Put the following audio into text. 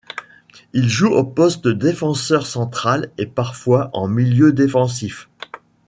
Il joue au poste de défenseur central et parfois en milieu défensif.